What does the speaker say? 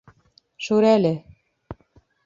Шүрәле: